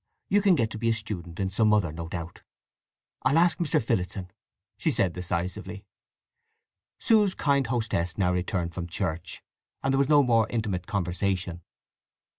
You can get to be a student in some other, no doubt." "I'll ask Mr. Phillotson," she said decisively. Sue's kind hostess now returned from church, and there was no more intimate conversation.